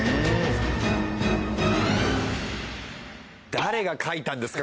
誰が描いたんですか？